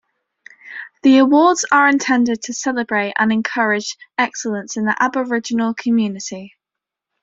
The awards are intended to celebrate and encourage excellence in the Aboriginal community.